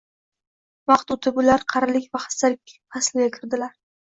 Vaqt o’tib, ular qarilik va xastalik fasliga kirdilar.